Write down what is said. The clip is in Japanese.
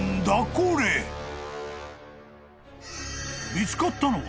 ［見つかったのは］